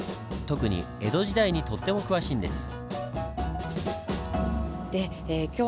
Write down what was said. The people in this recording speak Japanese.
特に江戸時代にとっても詳しいんです。